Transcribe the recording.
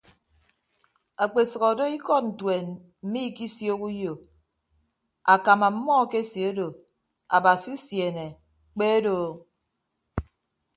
Akpesʌk odo ikọd ntuen mmiikisiooho uyo akam ọmmọ akeseedo abasi usiene kpe doo.